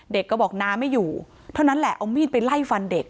เด็กก็บอกน้าไม่อยู่เท่านั้นแหละเอามีดไปไล่ฟันเด็ก